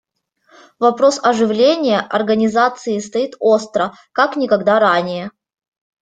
Вопрос оживления Организации стоит остро, как никогда ранее.